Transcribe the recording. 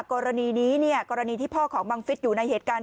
กรณีนี้เนี่ยกรณีที่พ่อของบังฟิศอยู่ในเหตุการณ์